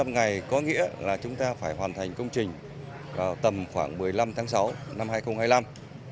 sáu trăm linh ngày có nghĩa là chúng ta phải hoàn thành công trình tầm khoảng một mươi năm tháng sáu năm hai nghìn hai mươi năm